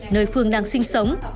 nơi phương đang sinh sống